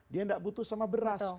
dia nggak butuh sama beras